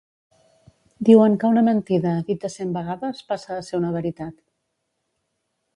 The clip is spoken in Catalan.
Diuen que una mentida dita cent vegades passa a ser una veritat